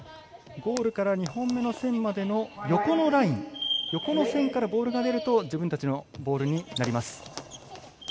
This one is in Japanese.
ゴールから２本目の線までの横のライン横の線からボールが出ると自分たちのボールになります。